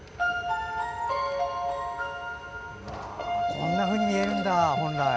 こんなふうに本来見えるんだ。